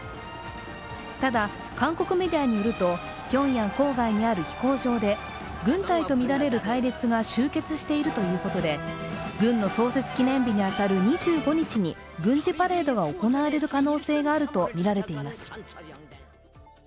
ただ、韓国メディアによるとピョンヤン郊外にある飛行場で軍隊とみられる隊列が集結しているということで軍の創設記念日に当たる２５日に軍事パレードが行われる可能性があるとみられています。